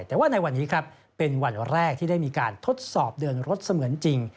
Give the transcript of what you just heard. แต่ว่าในวันนี้ครับเป็นวันแรกที่ได้มีการทดสอบเดินรถเสมือนจริง